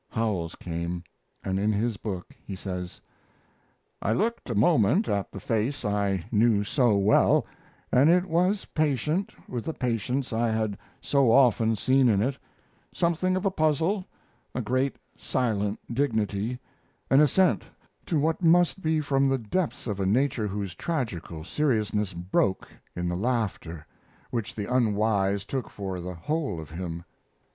Howells came, and in his book he says: I looked a moment at the face I knew so well; and it was patient with the patience I had so often seen in it: something of a puzzle, a great silent dignity, an assent to what must be from the depths of a nature whose tragical seriousness broke in the laughter which the unwise took for the whole of him.